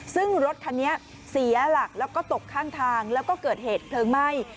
ซึ่งรถคันนี้เสียหลักแล้วก็ตกข้างทางแล้วก็เกิดเหตุเพลิงไหม้